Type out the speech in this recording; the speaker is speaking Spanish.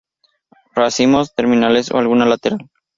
Racimos terminales o alguno lateral.